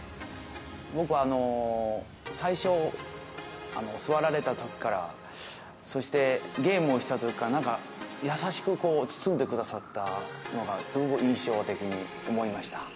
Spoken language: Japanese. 僕はあの最初座られた時からそしてゲームをした時からなんか優しくこう包んでくださったのがすごく印象的に思いました。